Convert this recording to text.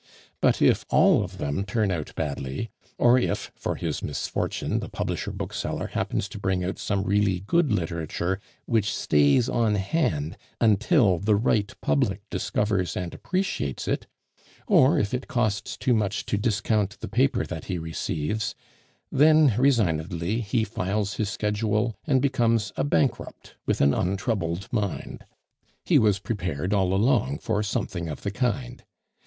But if all of them turn out badly; or if, for his misfortune, the publisher bookseller happens to bring out some really good literature which stays on hand until the right public discovers and appreciates it; or if it costs too much to discount the paper that he receives, then, resignedly, he files his schedule, and becomes a bankrupt with an untroubled mind. He was prepared all along for something of the kind.